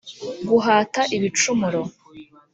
guhata ibicumuro